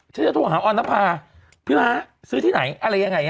จะโทรหาออนภาพี่ม้าซื้อที่ไหนอะไรยังไง